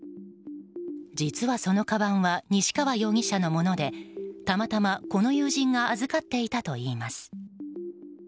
実は、そのかばんは西川容疑者のものでたまたま、この友人が預かっていたといいます。